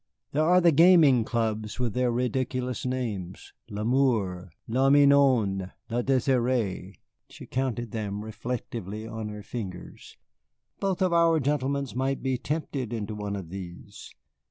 There are the gaming clubs with their ridiculous names, L'Amour, La Mignonne, La Désirée" (she counted them reflectively on her fingers). "Both of our gentlemen might be tempted into one of these.